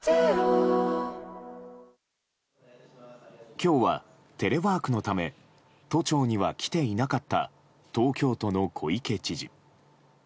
今日はテレワークのため都庁には来ていなかった東京都の小池知事。